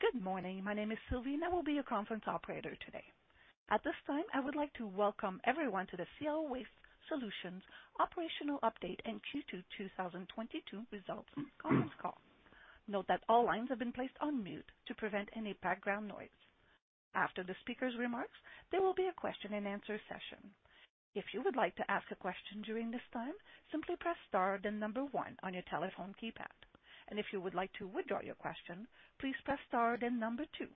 Good morning. My name is Sylvie, and I will be your conference operator today. At this time, I would like to welcome everyone to the Cielo Waste Solutions operational update and Q2 2022 results conference call. Note that all lines have been placed on mute to prevent any background noise. After the speaker's remarks, there will be a question-and-answer session. If you would like to ask a question during this time, simply press star then number one on your telephone keypad. If you would like to withdraw your question, please press star then number two.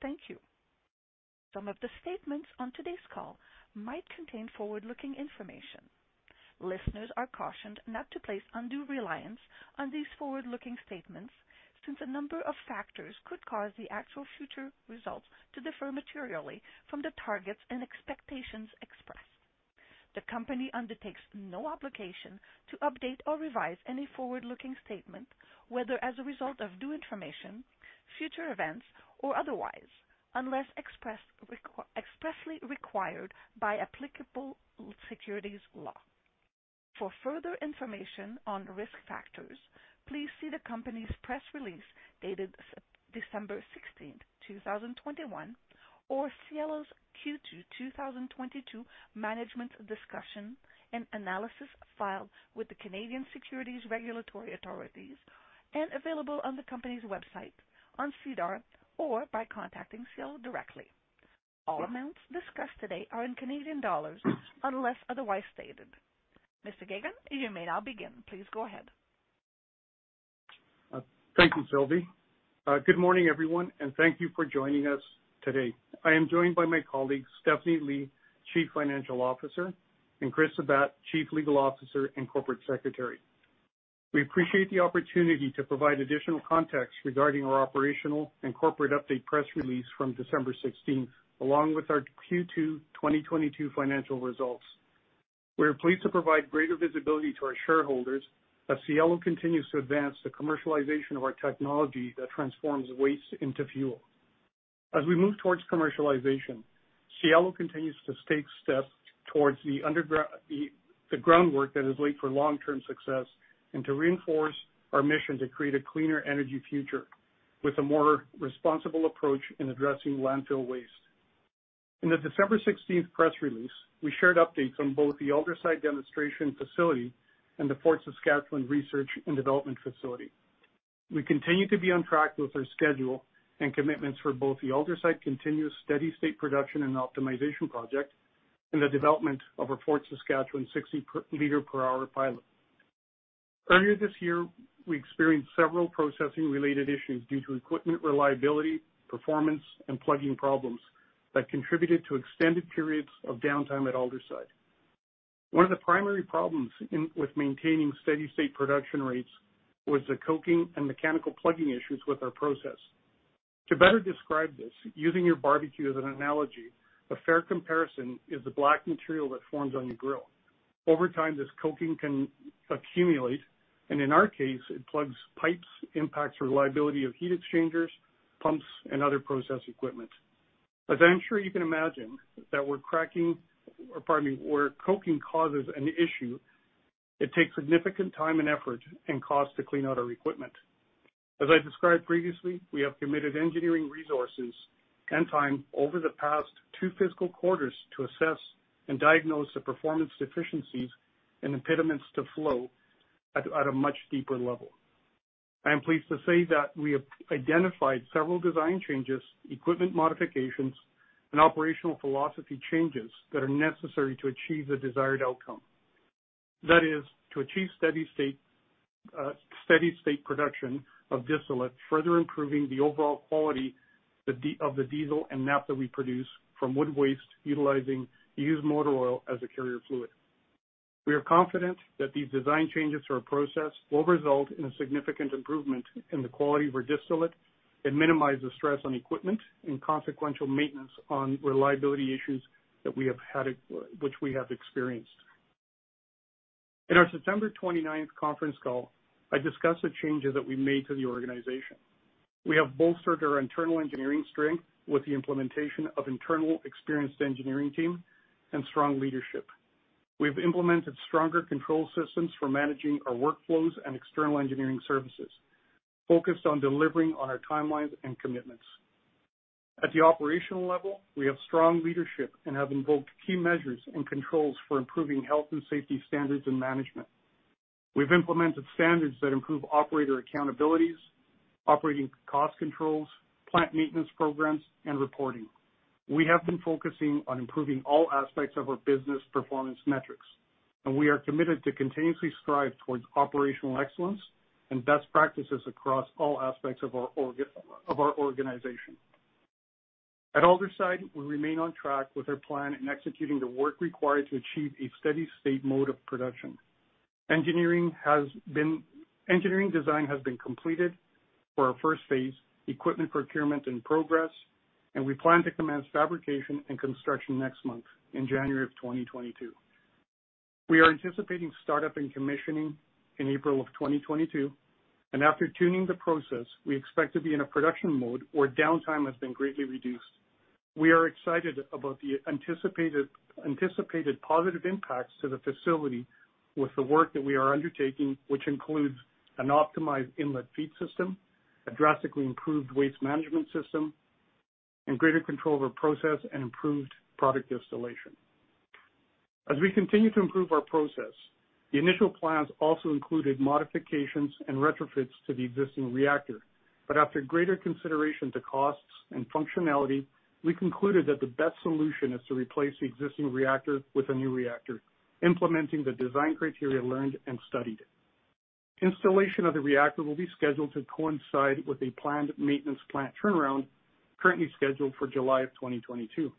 Thank you. Some of the statements on today's call might contain forward-looking information. Listeners are cautioned not to place undue reliance on these forward-looking statements, since a number of factors could cause the actual future results to differ materially from the targets and expectations expressed. The company undertakes no obligation to update or revise any forward-looking statement, whether as a result of new information, future events, or otherwise, unless expressly required by applicable securities law. For further information on risk factors, please see the company's press release dated December 16th, 2021 or Cielo's Q2 2022 management discussion and analysis filed with the Canadian Securities Administrators and available on the company's website, on SEDAR, or by contacting Cielo directly. All amounts discussed today are in Canadian dollars unless otherwise stated. Mr. Gegunde, you may now begin. Please go ahead. Thank you, Sylvie. Good morning, everyone, and thank you for joining us today. I am joined by my colleagues, Stephanie Li, Chief Financial Officer, and Chris Sabat, Chief Legal Officer and Corporate Secretary. We appreciate the opportunity to provide additional context regarding our operational and corporate update press release from December 16th, along with our Q2 2022 financial results. We are pleased to provide greater visibility to our shareholders as Cielo continues to advance the commercialization of our technology that transforms waste into fuel. As we move towards commercialization, Cielo continues to take steps towards the groundwork that is laid for long-term success and to reinforce our mission to create a cleaner energy future with a more responsible approach in addressing landfill waste. In the December 16th press release, we shared updates on both the Aldersyde demonstration facility and the Fort Saskatchewan research and development facility. We continue to be on track with our schedule and commitments for both the Aldersyde continuous steady-state production and optimization project and the development of our Fort Saskatchewan 60 L per hour pilot. Earlier this year, we experienced several processing-related issues due to equipment reliability, performance, and plugging problems that contributed to extended periods of downtime at Aldersyde. One of the primary problems with maintaining steady-state production rates was the coking and mechanical plugging issues with our process. To better describe this, using your barbecue as an analogy, a fair comparison is the black material that forms on your grill. Over time, this coking can accumulate, and in our case, it plugs pipes, impacts reliability of heat exchangers, pumps, and other process equipment. As I'm sure you can imagine, that were cracking, pardon me. Where coking causes an issue, it takes significant time and effort and cost to clean out our equipment. As I described previously, we have committed engineering resources and time over the past two fiscal quarters to assess and diagnose the performance deficiencies and impediments to flow at a much deeper level. I am pleased to say that we have identified several design changes, equipment modifications, and operational philosophy changes that are necessary to achieve the desired outcome. That is, to achieve steady-state production of distillate, further improving the overall quality of the diesel and naphtha we produce from wood waste utilizing used motor oil as a carrier fluid. We are confident that these design changes to our process will result in a significant improvement in the quality of our distillate and minimize the stress on equipment and consequential maintenance on reliability issues that we have had, which we have experienced. In our September 29th conference call, I discussed the changes that we made to the organization. We have bolstered our internal engineering strength with the implementation of internal experienced engineering team and strong leadership. We've implemented stronger control systems for managing our workflows and external engineering services, focused on delivering on our timelines and commitments. At the operational level, we have strong leadership and have invoked key measures and controls for improving health and safety standards and management. We've implemented standards that improve operator accountabilities, operating cost controls, plant maintenance programs, and reporting. We have been focusing on improving all aspects of our business performance metrics, and we are committed to continuously strive towards operational excellence and best practices across all aspects of our organization. At Aldersyde, we remain on track with our plan in executing the work required to achieve a steady-state mode of production. Engineering design has been completed for our first phase, equipment procurement in progress, and we plan to commence fabrication and construction next month in January 2022. We are anticipating startup and commissioning in April of 2022, and after tuning the process, we expect to be in a production mode where downtime has been greatly reduced. We are excited about the anticipated positive impacts to the facility with the work that we are undertaking, which includes an optimized inlet feed system, a drastically improved waste management system, and greater control over process and improved product distillation. As we continue to improve our process, the initial plans also included modifications and retrofits to the existing reactor. But, after greater consideration to costs and functionality, we concluded that the best solution is to replace the existing reactor with a new reactor, implementing the design criteria learned and studied. Installation of the reactor will be scheduled to coincide with a planned maintenance plant turnaround currently scheduled for July of 2022.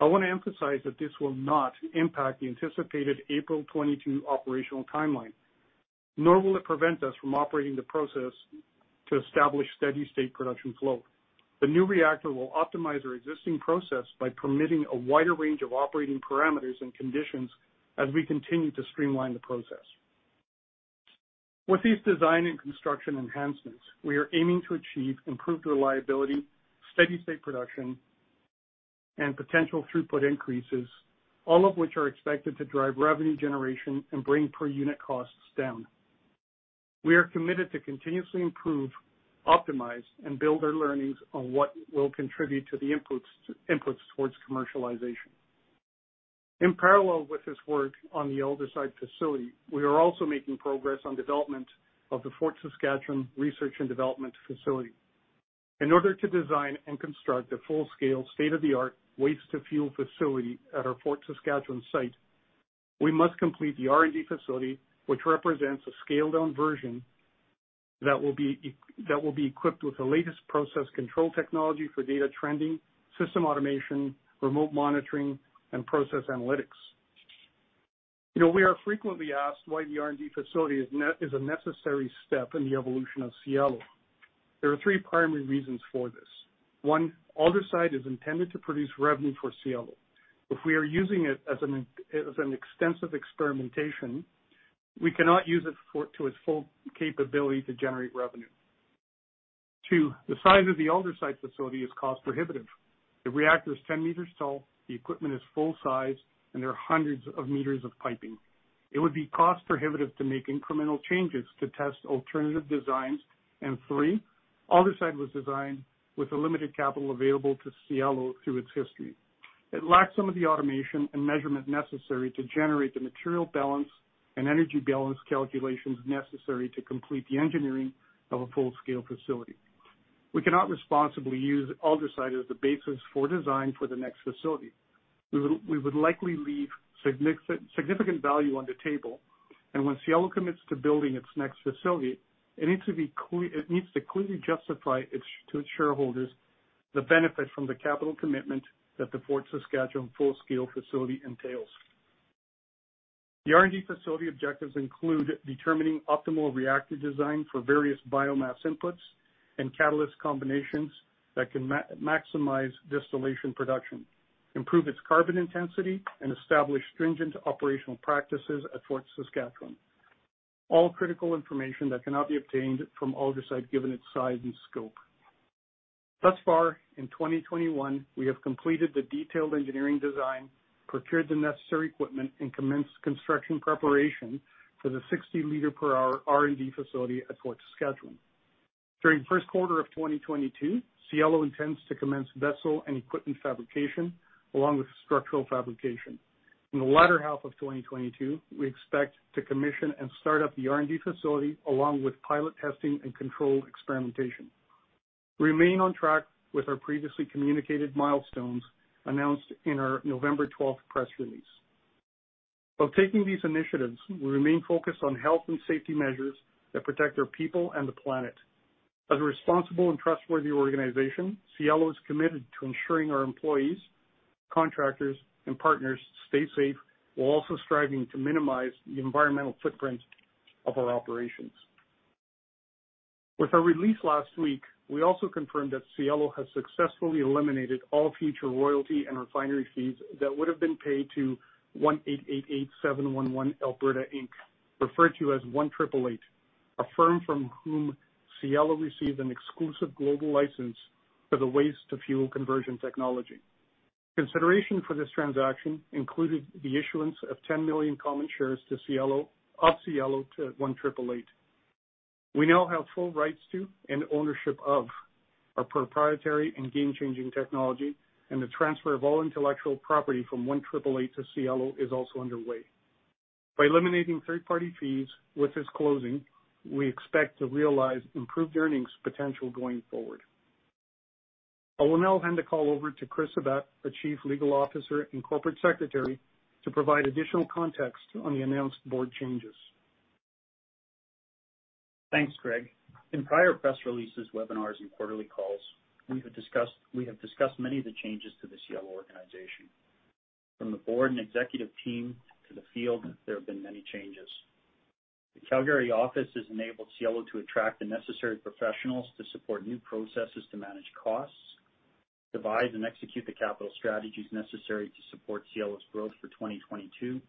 I want to emphasize that this will not impact the anticipated April 2022 operational timeline, nor will it prevent us from operating the process to establish steady-state production flow. The new reactor will optimize our existing process by permitting a wider range of operating parameters and conditions as we continue to streamline the process. With these design and construction enhancements, we are aiming to achieve improved reliability, steady-state production, and potential throughput increases, all of which are expected to drive revenue generation and bring per unit costs down. We are committed to continuously improve, optimize, and build our learnings on what will contribute to the inputs towards commercialization. In parallel with this work on the Aldersyde facility, we are also making progress on development of the Fort Saskatchewan research and development facility. In order to design and construct a full-scale, state-of-the-art waste-to-fuel facility at our Fort Saskatchewan site, we must complete the R&D facility, which represents a scaled down version that will be equipped with the latest process control technology for data trending, system automation, remote monitoring, and process analytics. You know, we are frequently asked why the R&D facility is a necessary step in the evolution of Cielo. There are three primary reasons for this. One, Aldersyde is intended to produce revenue for Cielo. If we are using it as an extensive experimentation, we cannot use it to its full capability to generate revenue. Two, the size of the Aldersyde facility is cost prohibitive. The reactor is 10 m tall, the equipment is full size, and there are hundreds of meters of piping. It would be cost prohibitive to make incremental changes to test alternative designs. Three, Aldersyde was designed with the limited capital available to Cielo through its history. It lacks some of the automation and measurement necessary to generate the material balance and energy balance calculations necessary to complete the engineering of a full-scale facility. We cannot responsibly use Aldersyde as the basis for design for the next facility. We would likely leave significant value on the table. When Cielo commits to building its next facility, it needs to clearly justify its, to its shareholders the benefit from the capital commitment that the Fort Saskatchewan full-scale facility entails. The R&D facility objectives include determining optimal reactor design for various biomass inputs and catalyst combinations that can maximize distillation production, improve its carbon intensity, and establish stringent operational practices at Fort Saskatchewan. All critical information that cannot be obtained from Aldersyde, given its size and scope. Thus far, in 2021, we have completed the detailed engineering design, procured the necessary equipment, and commenced construction preparation for the 60-L-per-hour R&D facility at Fort Saskatchewan. During the first quarter of 2022, Cielo intends to commence vessel and equipment fabrication along with structural fabrication. In the latter half of 2022, we expect to commission and start up the R&D facility along with pilot testing and controlled experimentation. We remain on track with our previously communicated milestones announced in our November 12th press release. While taking these initiatives, we remain focused on health and safety measures that protect our people and the planet. As a responsible and trustworthy organization, Cielo is committed to ensuring our employees, contractors, and partners stay safe while also striving to minimize the environmental footprint of our operations. With our release last week, we also confirmed that Cielo has successfully eliminated all future royalty and refinery fees that would have been paid to 1888711 Alberta Inc, referred to as 1888, a firm from whom Cielo received an exclusive global license for the waste-to-fuel conversion technology. Consideration for this transaction included the issuance of 10 million common shares of Cielo to 1888. We now have full rights to and ownership of our proprietary and game-changing technology, and the transfer of all intellectual property from 1888 to Cielo is also underway. By eliminating third-party fees with this closing, we expect to realize improved earnings potential going forward. I will now hand the call over to Chris Sabat, the Chief Legal Officer and Corporate Secretary, to provide additional context on the announced board changes. Thanks, Gregg. In prior press releases, webinars, and quarterly calls, we have discussed many of the changes to the Cielo organization. From the board and executive team to the field, there have been many changes. The Calgary office has enabled Cielo to attract the necessary professionals to support new processes to manage costs, devise and execute the capital strategies necessary to support Cielo's growth for 2022,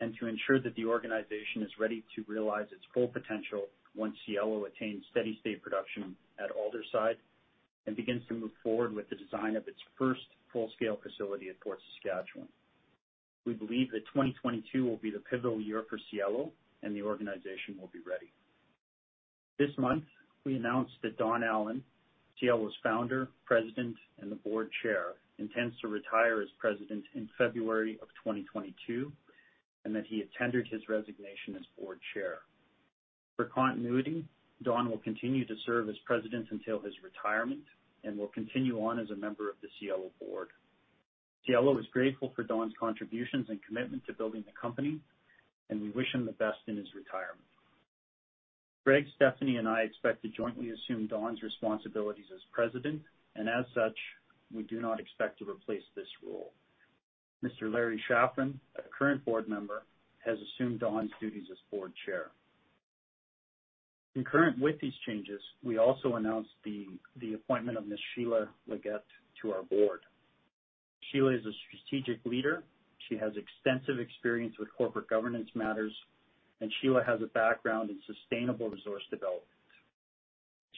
and to ensure that the organization is ready to realize its full potential once Cielo attains steady-state production at Aldersyde and begins to move forward with the design of its first full-scale facility at Fort Saskatchewan. We believe that 2022 will be the pivotal year for Cielo, and the organization will be ready. This month, we announced that Don Allan, Cielo's founder, President, and Board Chair, intends to retire as President in February 2022, and that he tendered his resignation as Board Chair. For continuity, Don will continue to serve as President until his retirement and will continue on as a member of the Cielo board. Cielo is grateful for Don's contributions and commitment to building the company, and we wish him the best in his retirement. Greg, Stephanie, and I expect to jointly assume Don's responsibilities as President, and as such, we do not expect to replace this role. Mr. Larry Schafran, a current board member, has assumed Don's duties as Board Chair. Concurrent with these changes, we also announced the appointment of Ms. Sheila Leggett to our board. Sheila is a strategic leader. She has extensive experience with corporate governance matters, and Sheila has a background in sustainable resource development.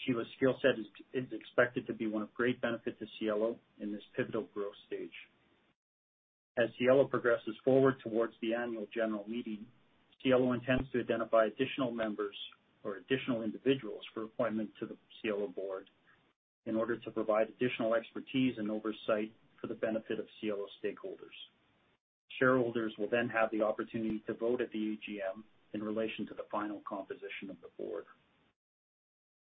Sheila's skill set is expected to be one of great benefit to Cielo in this pivotal growth stage. As Cielo progresses forward towards the Annual General Meeting, Cielo intends to identify additional members or additional individuals for appointment to the Cielo Board in order to provide additional expertise and oversight for the benefit of Cielo stakeholders. Shareholders will then have the opportunity to vote at the AGM in relation to the final composition of the Board.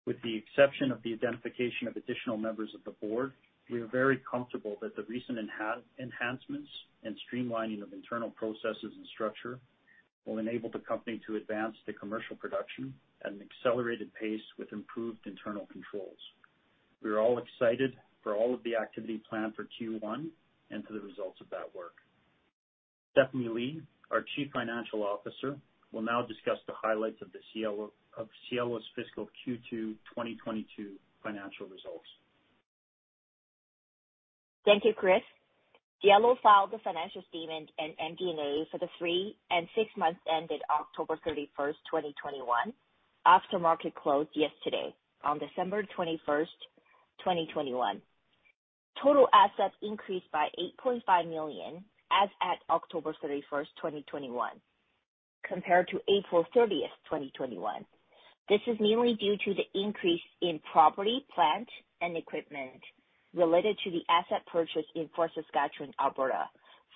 With the exception of the identification of additional members of the Board, we are very comfortable that the recent enhancements and streamlining of internal processes and structure will enable the company to advance to commercial production at an accelerated pace with improved internal controls. We are all excited for all of the activity planned for Q1 and to the results of that work. Stephanie Li, our Chief Financial Officer, will now discuss the highlights of Cielo's fiscal Q2 2022 financial results. Thank you, Chris. Cielo filed the financial statement and MD&A for the three and six months ended October 31st, 2021 after market closed yesterday on December 21st, 2021. Total assets increased by 8.5 million as at October 31st, 2021 compared to April 30th, 2021. This is mainly due to the increase in property, plant, and equipment related to the asset purchase in Fort Saskatchewan, Alberta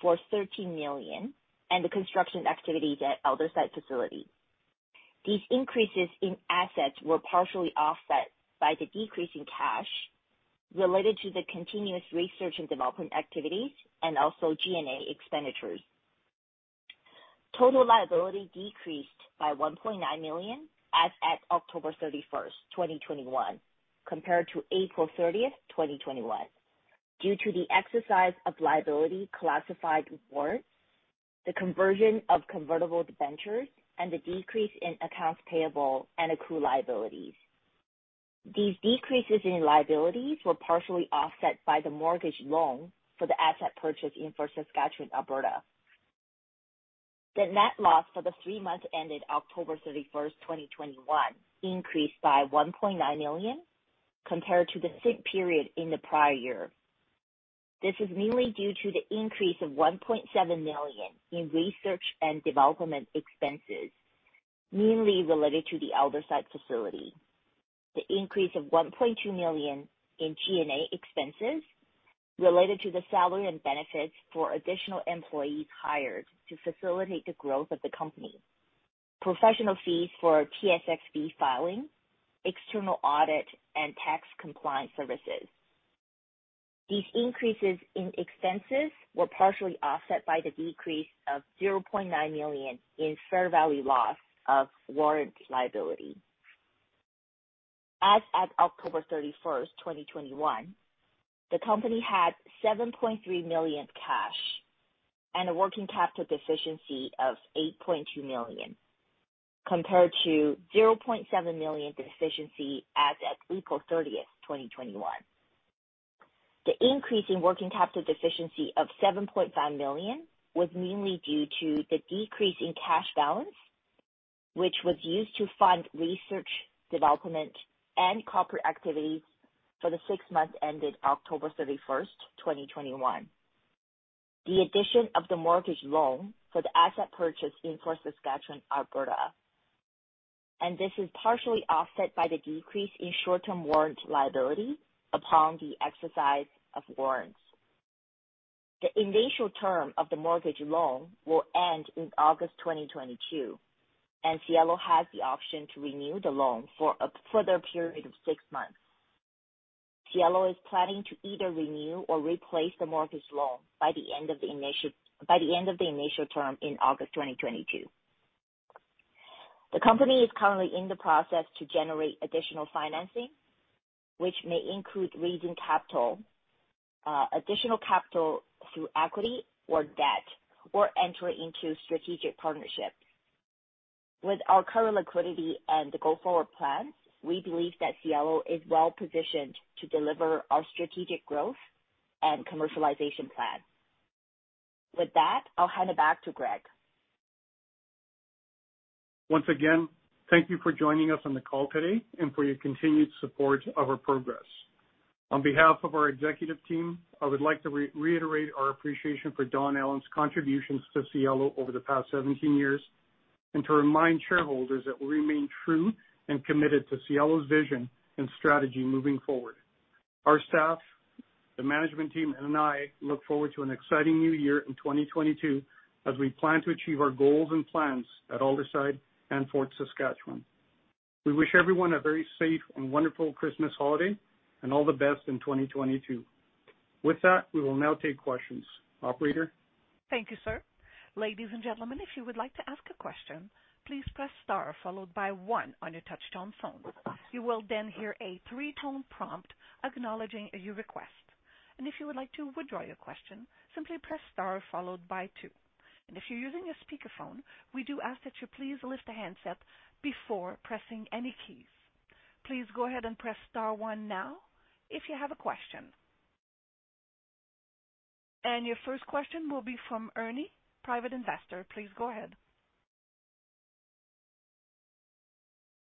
for 13 million and the construction activity at Aldersyde facility. These increases in assets were partially offset by the decrease in cash related to the continuous research and development activities and also G&A expenditures. Total liability decreased by 1.9 million as at October 31st, 2021 compared to April 30th, 2021 due to the exercise of liability classified warrants, the conversion of convertible debentures, and the decrease in accounts payable and accrued liabilities. These decreases in liabilities were partially offset by the mortgage loan for the asset purchase in Fort Saskatchewan, Alberta. The net loss for the three months ended October 31st, 2021 increased by 1.9 million compared to the same period in the prior year. This is mainly due to the increase of 1.7 million in research and development expenses, mainly related to the Aldersyde facility. The increase of 1.2 million in G&A expenses related to the salary and benefits for additional employees hired to facilitate the growth of the company, professional fees for TSXV filing, external audit, and tax compliance services. These increases in expenses were partially offset by the decrease of 0.9 million in fair value loss of warrant liability. As at October 31st, 2021, the company had 7.3 million cash and a working capital deficiency of 8.2 million, compared to 0.7 million deficiency as at April 30th, 2021. The increase in working capital deficiency of 7.5 million was mainly due to the decrease in cash balance, which was used to fund research, development, and corporate activities for the six months ended October 31st, 2021. The addition of the mortgage loan for the asset purchase in Fort Saskatchewan, Alberta, and this is partially offset by the decrease in short-term warrant liability upon the exercise of warrants. The initial term of the mortgage loan will end in August 2022, and Cielo has the option to renew the loan for a further period of six months. Cielo is planning to either renew or replace the mortgage loan by the end of the initial term in August 2022. The company is currently in the process to generate additional financing, which may include raising capital, additional capital through equity or debt, or enter into strategic partnership. With our current liquidity and the go forward plan, we believe that Cielo is well positioned to deliver our strategic growth and commercialization plan. With that, I'll hand it back to Gregg. Once again, thank you for joining us on the call today and for your continued support of our progress. On behalf of our executive team, I would like to reiterate our appreciation for Don Allan's contributions to Cielo over the past 17 years, and to remind shareholders that we remain true and committed to Cielo's vision and strategy moving forward. Our staff, the management team, and I look forward to an exciting new year in 2022 as we plan to achieve our goals and plans at Aldersyde and Fort Saskatchewan. We wish everyone a very safe and wonderful Christmas holiday and all the best in 2022. With that, we will now take questions. Operator? Thank you, sir. Ladies and gentlemen, if you would like to ask a question, please press star followed by one on your touch-tone phone. You will then hear a three-tone prompt acknowledging your request. If you would like to withdraw your question, simply press star followed by two. If you're using a speakerphone, we do ask that you please lift the handset before pressing any keys. Please go ahead and press star one now if you have a question. Your first question will be from Ernie, private investor. Please go ahead.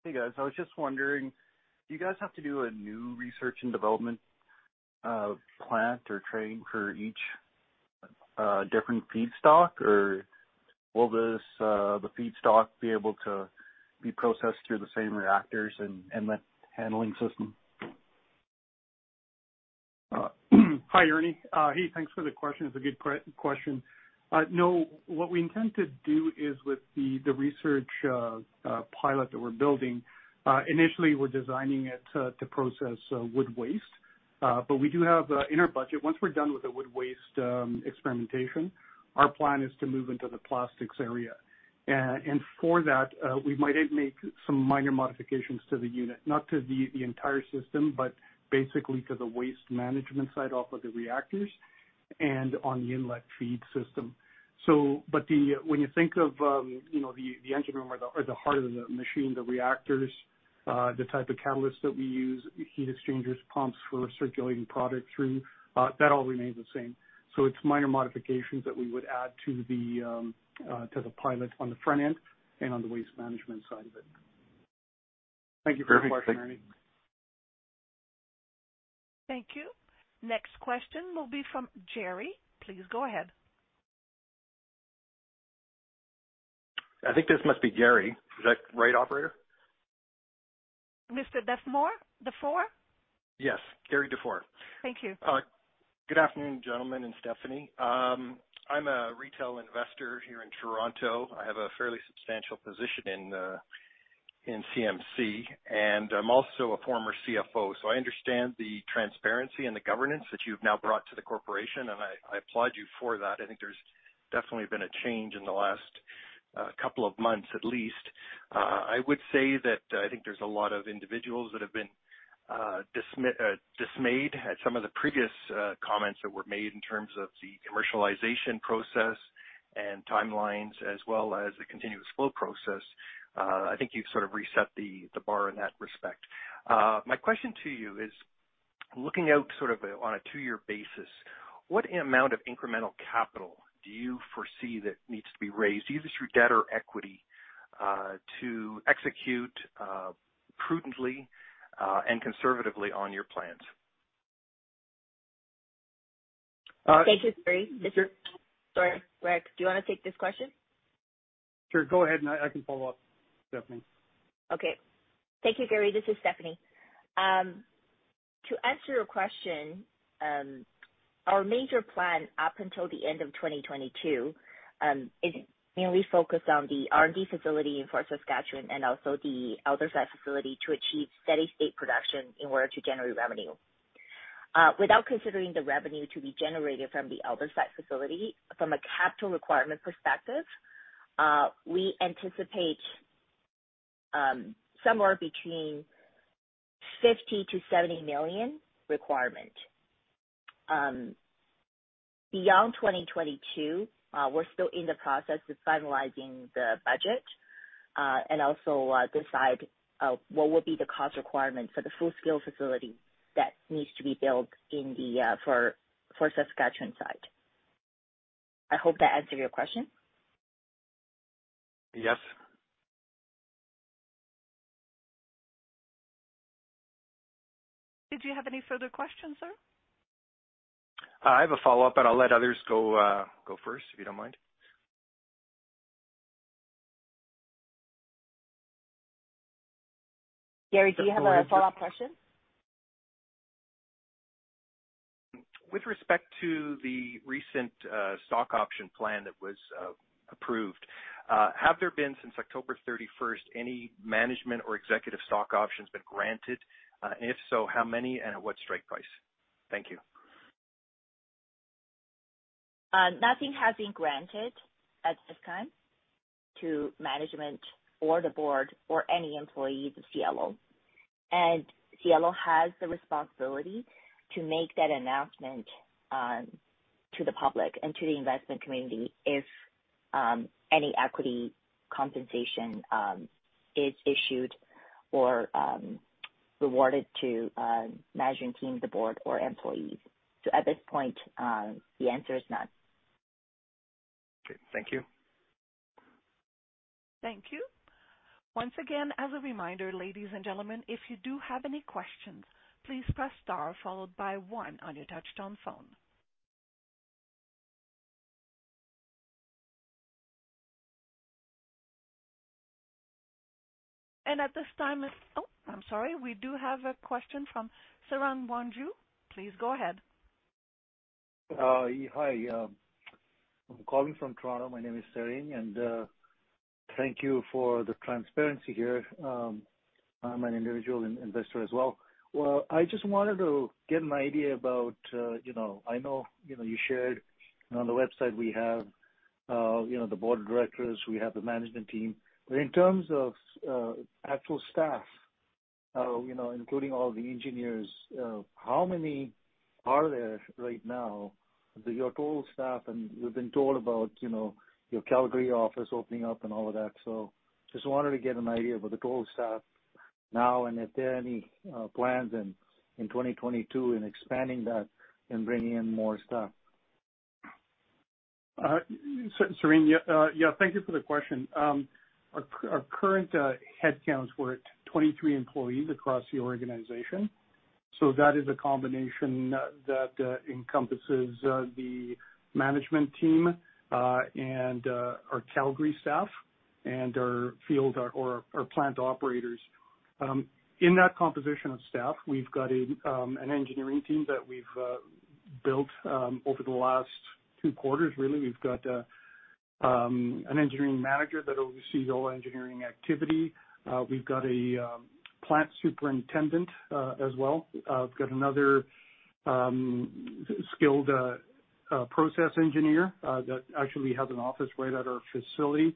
Hey, guys. I was just wondering, do you guys have to do a new research and development plant or training for each different feedstock? Or will the feedstock be able to be processed through the same reactors and the handling system? Hi, Ernie. Hey, thanks for the question. It's a good question. No, what we intend to do is, with the research pilot that we're building, initially we're designing it to process wood waste. But we do have, in our budget, once we're done with the wood waste experimentation, our plan is to move into the plastics area. And for that, we might make some minor modifications to the unit, not to the entire system, but basically to the waste management side off of the reactors and on the inlet feed system. When you think of, you know, the engine room or the heart of the machine, the reactors, the type of catalysts that we use, heat exchangers, pumps for circulating product through, that all remains the same. It's minor modifications that we would add to the pilot on the frontend and on the waste management side of it. Perfect. Thank you. Thank you for your question, Ernie. Thank you. Next question will be from Jerry. Please go ahead. I think this must be Gary. Is that right, operator? Mr. DeFore? Yes. Gary DeFore. Thank you. Good afternoon, gentlemen and Stephanie. I'm a retail investor here in Toronto. I have a fairly substantial position in CMC, and I'm also a former CFO. I understand the transparency and the governance that you've now brought to the corporation, and I applaud you for that. I think there's definitely been a change in the last couple of months at least. I would say that I think there's a lot of individuals that have been dismayed at some of the previous comments that were made in terms of the commercialization process, and timelines, as well as the continuous flow process. I think you've sort of reset the bar in that respect. My question to you is, looking out sort of on a two-year basis, what amount of incremental capital do you foresee that needs to be raised, either through debt or equity, to execute prudently and conservatively on your plans? Thank you, Gary. This is. Sure. Sorry. Greg, do you wanna take this question? Sure. Go ahead and I can follow up, Stephanie. Okay. Thank you, Gary. This is Stephanie. To answer your question, our major plan up until the end of 2022 is mainly focused on the R&D facility in Fort Saskatchewan and also the Aldersyde facility to achieve steady-state production in order to generate revenue. Without considering the revenue to be generated from the Aldersyde facility, from a capital requirement perspective, we anticipate somewhere between CAD 50 million-CAD 70 million requirement. Beyond 2022, we're still in the process of finalizing the budget and also decide what will be the cost requirement for the full-scale facility that needs to be built for Fort Saskatchewan site. I hope that answered your question. Yes. Did you have any further questions, sir? I have a follow-up, but I'll let others go first, if you don't mind. Gary, do you have a follow-up question? With respect to the recent stock option plan that was approved, have there been, since October 31st, any management or executive stock options been granted? If so, how many and at what strike price? Thank you. Nothing has been granted at this time to management or the board or any employees of Cielo. Cielo has the responsibility to make that announcement to the public and to the investment community if any equity compensation is issued or rewarded to managing teams, the board, or employees. At this point, the answer is none. Okay. Thank you. Thank you. Once again, as a reminder, ladies and gentlemen, if you do have any questions, please press star followed by one on your touch-tone phone. At this time. Oh, I'm sorry. We do have a question from Seren Bonju. Please go ahead. Hi. I'm calling from Toronto. My name is Seren, and thank you for the transparency here. I'm an individual investor as well. Well, I just wanted to get an idea about, you know, I know, you know, you shared and on the website we have, you know, the board of directors, we have the management team, but in terms of, actual staff, you know, including all the engineers, how many are there right now? Your total staff, and we've been told about, you know, your Calgary office opening up and all of that. Just wanted to get an idea about the total staff now, and if there are any plans in 2022 in expanding that and bringing in more staff. Seren, thank you for the question. Our current headcounts for it, we're at 23 employees across the organization. That is a combination that encompasses the management team, and our Calgary staff, and our field or plant operators. In that composition of staff, we've got an engineering team that we've built over the last two quarters really. We've got an engineering manager that oversees all engineering activity. We've got a plant superintendent as well. We've got another skilled process engineer that actually has an office right at our facility.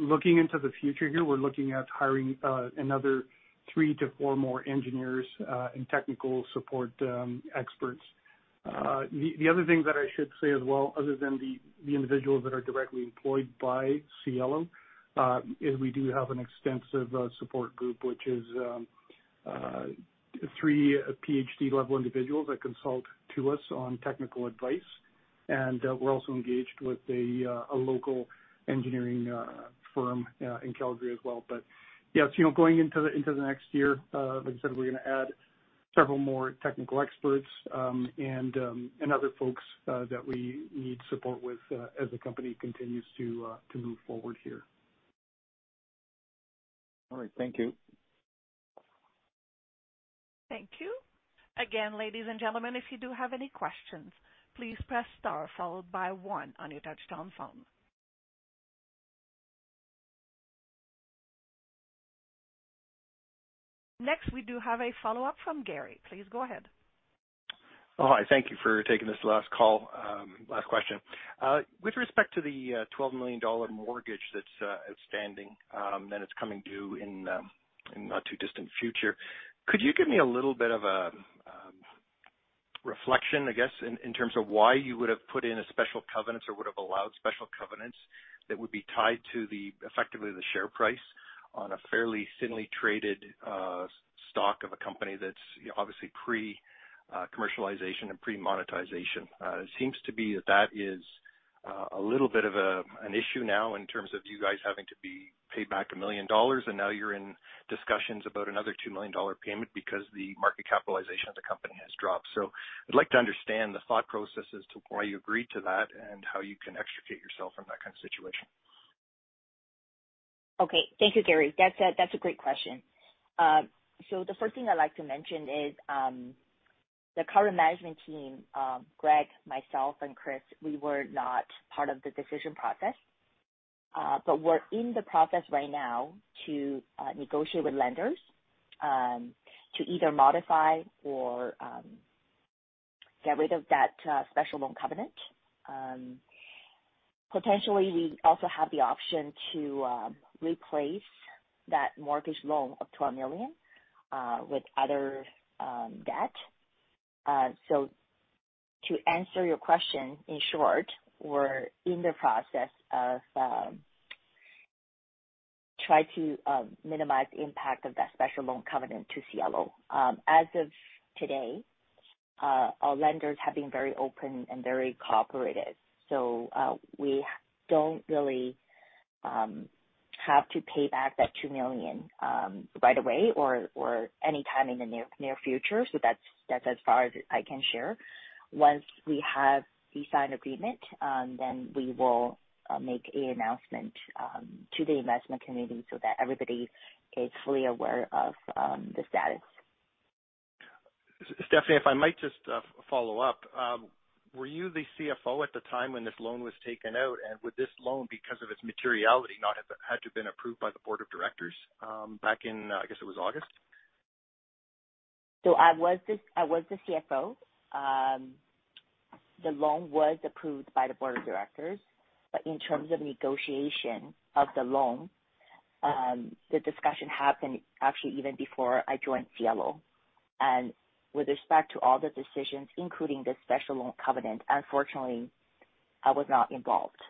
Looking into the future here, we're looking at hiring another three to four more engineers and technical support experts. The other thing that I should say as well, other than the individuals that are directly employed by Cielo, is we do have an extensive support group, which is three Ph.D.-level individuals that consult to us on technical advice. We're also engaged with a local engineering firm in Calgary as well. Yeah, you know, going into the next year, like I said, we're gonna add several more technical experts and other folks that we need support with as the company continues to move forward here. All right. Thank you. Thank you. Again, ladies and gentlemen, if you do have any questions, please press star followed by one on your touch-tone phone. Next, we do have a follow-up from Gary. Please go ahead. Oh, hi. Thank you for taking this last call. Last question. With respect to the 12 million dollar mortgage that's outstanding, and it's coming due in the not too distant future, could you give me a little bit of a reflection, I guess, in terms of why you would've put in special covenants or would've allowed special covenants that would be tied to the, effectively the share price on a fairly thinly traded stock of a company that's, you know, obviously pre commercialization and pre monetization. It seems to be that that is a little bit of an issue now in terms of you guys having to be paid back 1 million dollars and now you're in discussions about another 2 million dollar payment because the market capitalization of the company has dropped. I'd like to understand the thought processes to why you agreed to that and how you can extricate yourself from that kind of situation. Okay. Thank you, Gary. That's a great question. The first thing I'd like to mention is the current management team, Gregg, myself, and Chris. We were not part of the decision process. We're in the process right now to negotiate with lenders to either modify or get rid of that special loan covenant. Potentially we also have the option to replace that mortgage loan of 12 million with other debt. To answer your question, in short, we're in the process of try to minimize the impact of that special loan covenant to Cielo. As of today, our lenders have been very open and very cooperative. We don't really have to pay back that 2 million right away or anytime in the near future. That's as far as I can share. Once we have the signed agreement, then we will make an announcement to the investment community so that everybody is fully aware of the status. Stephanie, if I might just follow up. Were you the CFO at the time when this loan was taken out? Would this loan, because of its materiality, not have had to been approved by the board of directors, back in, I guess it was August? I was the CFO. The loan was approved by the board of directors, but in terms of negotiation of the loan, the discussion happened actually even before I joined Cielo. With respect to all the decisions, including the special loan covenant, unfortunately, I was not involved.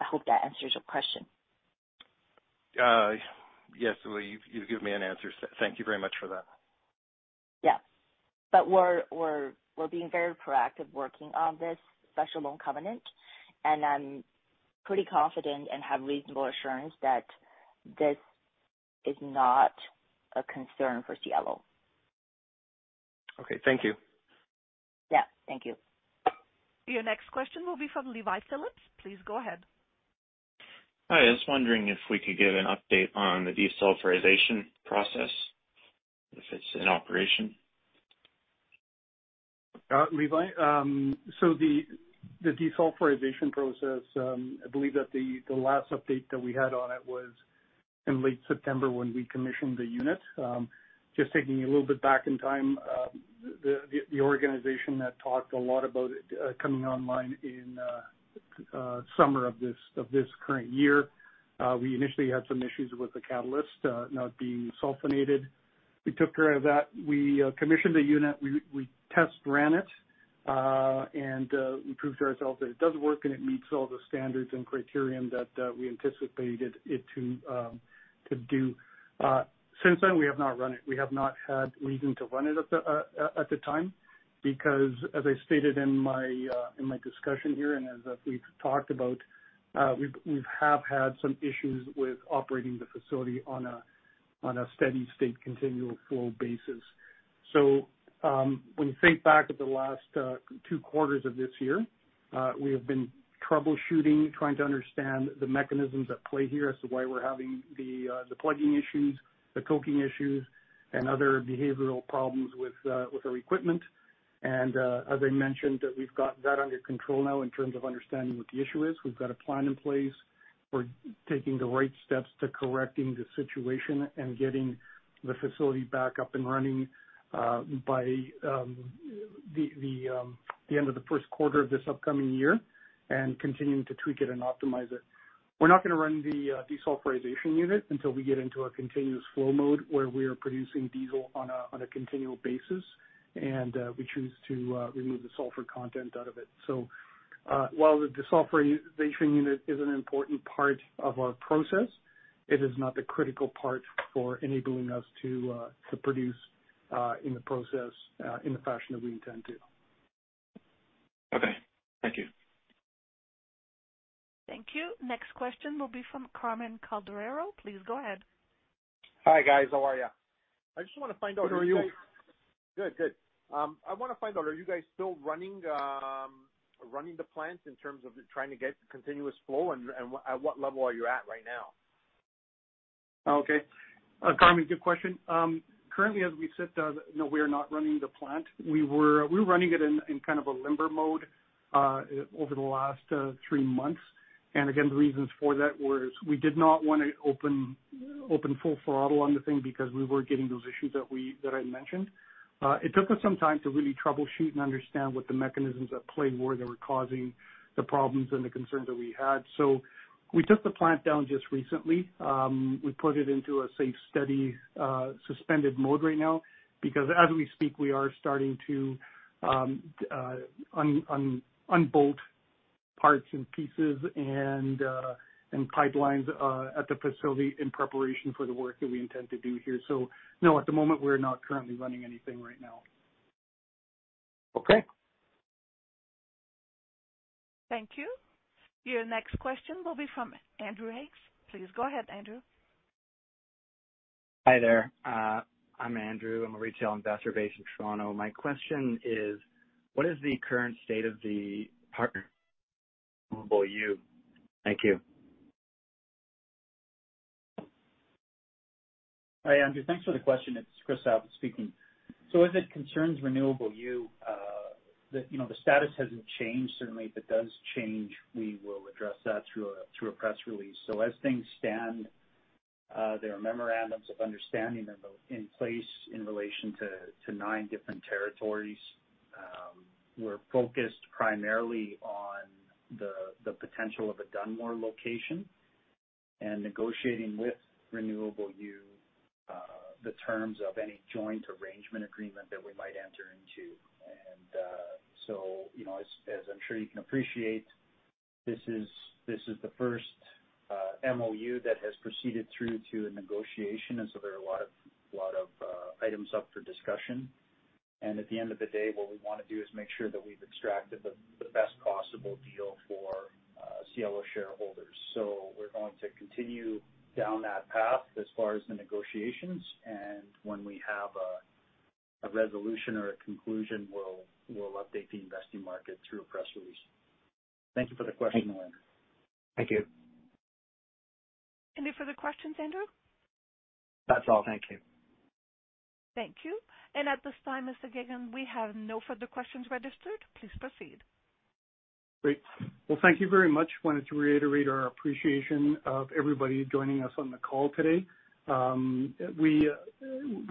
I hope that answers your question. Yes, well, you gave me an answer. Thank you very much for that. Yeah. We're being very proactive working on this special loan covenant, and I'm pretty confident and have reasonable assurance that this is not a concern for Cielo. Okay. Thank you. Yeah. Thank you. Your next question will be from Levi Phillips. Please go ahead. Hi. I was wondering if we could get an update on the desulfurization process, if it's in operation? Levi, the desulfurization process, I believe that the last update that we had on it was in late September when we commissioned the unit. Just taking you a little bit back in time, the organization that talked a lot about it coming online in summer of this current year, we initially had some issues with the catalyst not being sulfinated. We took care of that. We commissioned the unit. We test ran it, and we proved to ourselves that it does work and it meets all the standards and criterion that we anticipated it to do. Since then, we have not run it. We have not had reason to run it at the time because as I stated in my discussion here and as we've talked about, we have had some issues with operating the facility on a steady-state continual flow basis. When you think back at the last two quarters of this year, we have been troubleshooting, trying to understand the mechanisms at play here as to why we're having the plugging issues, the coking issues, and other behavioral problems with our equipment. As I mentioned, we've got that under control now in terms of understanding what the issue is. We've got a plan in place. We're taking the right steps to correcting the situation and getting the facility back up and running by the end of the first quarter of this upcoming year and continuing to tweak it and optimize it. We're not gonna run the desulfurization unit until we get into a continuous flow mode where we are producing diesel on a continual basis and we choose to remove the sulfur content out of it. While the desulfurization unit is an important part of our process, it is not the critical part for enabling us to produce in the process in the fashion that we intend to. Okay. Thank you. Thank you. Next question will be from Carmen Calderero. Please go ahead. Hi, guys. How are ya? I just wanna find out. Good. How are you? Good. Good. I wanna find out, are you guys still running the plant in terms of trying to get continuous flow, and at what level are you at right now? Okay. Carmen, good question. Currently as we sit, no, we are not running the plant. We were running it in kind of a limber mode over the last three months. Again, the reasons for that was we did not wanna open full throttle on the thing because we were getting those issues that I mentioned. It took us some time to really troubleshoot and understand what the mechanisms at play were that were causing the problems and the concerns that we had. We took the plant down just recently. We put it into a safe, steady, suspended mode right now because as we speak, we are starting to unbolt parts and pieces and pipelines at the facility in preparation for the work that we intend to do here. So, no, at the moment, we're not currently running anything right now. Okay. Thank you. Your next question will be from Andrew Hakes. Please go ahead, Andrew. Hi there. I'm Andrew. I'm a retail investor based in Toronto. My question is, what is the current state of the partner Renewable U? Thank you. Hi, Andrew. Thanks for the question. It's Chris Sabat speaking. As it concerns Renewable U, you know, the status hasn't changed. Certainly, if it does change, we will address that through a press release. As things stand, there are memorandums of understanding that are in place in relation to nine different territories. We're focused primarily on the potential of a Dunmore location and negotiating with Renewable U the terms of any joint arrangement agreement that we might enter into. You know, as I'm sure you can appreciate, this is the first MOU that has proceeded through to a negotiation, and so there are a lot of items up for discussion. At the end of the day, what we wanna do is make sure that we've extracted the best possible deal for Cielo shareholders. We're going to continue down that path as far as the negotiations, and when we have a resolution or a conclusion, we'll update the investing market through a press release. Thank you for the question, Andrew. Thank you. Any further questions, Andrew? That's all. Thank you. Thank you. At this time, Mr. Gegunde, we have no further questions registered. Please proceed. Great. Well, thank you very much. I wanted to reiterate our appreciation of everybody joining us on the call today. We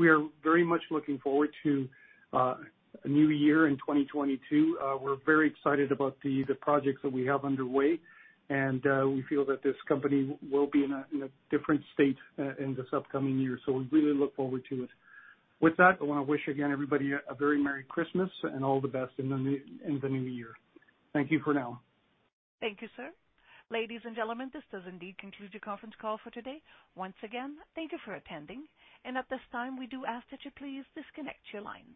are very much looking forward to a new year in 2022. We're very excited about the projects that we have underway, and we feel that this company will be in a different state in this upcoming year. We really look forward to it. With that, I wanna wish again everybody a very merry Christmas and all the best in the new year. Thank you for now. Thank you, sir. Ladies and gentlemen, this does indeed conclude your conference call for today. Once again, thank you for attending. At this time, we do ask that you please disconnect your lines.